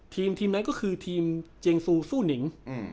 ทีมทีมนั้นก็คือทีมเจงซูซู่นิง